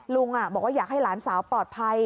ลุงบอกว่าอยากให้หลานสาวปลอดภัย